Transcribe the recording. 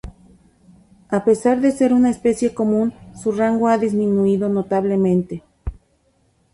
A pesar de ser una especie común su rango ha disminuido notablemente.